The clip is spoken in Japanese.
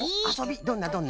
どんなどんな？